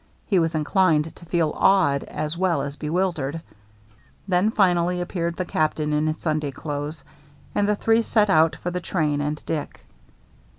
He was inclined to feel awed as well as bewildered. Then, finally, appeared the Captain in his Sunday clothes. And the three set out for the train and Dick.